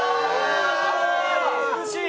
美しい！